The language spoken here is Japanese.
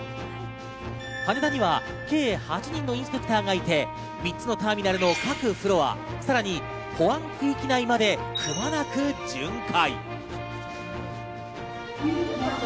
羽田には計８人のインスペクターがいて、３つのターミナルの各フロア、さらに保安区域内まで、くまなく巡回。